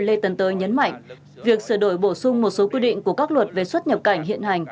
lê tấn tới nhấn mạnh việc sửa đổi bổ sung một số quy định của các luật về xuất nhập cảnh hiện hành